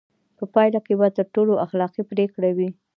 په پایله کې به تر ټولو اخلاقي پرېکړه وي.